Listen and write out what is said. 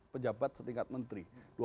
enam pejabat setingkat menteri